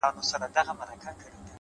په خپلو اوښکو ـ